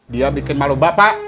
dia bikin malu bapak